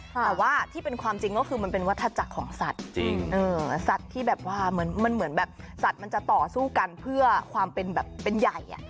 แต่ว่าที่เป็นความจริงก็คือมันเป็นวัฒนาจักรของสัตว์สัตว์ที่เหมือนสัตว์มันจะต่อสู้กันเพื่อความเป็นใหญ่